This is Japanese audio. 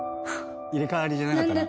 入れ替わりじゃなかったな。